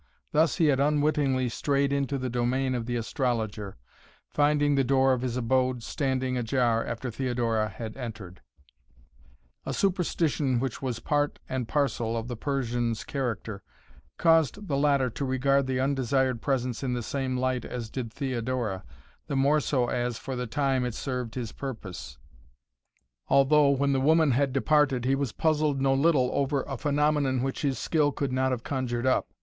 Thus he had unwittingly strayed into the domain of the astrologer, finding the door of his abode standing ajar after Theodora had entered. A superstition which was part and parcel of the Persian's character, caused the latter to regard the undesired presence in the same light as did Theodora, the more so as, for the time, it served his purpose, although, when the woman had departed, he was puzzled no little over a phenomenon which his skill could not have conjured up.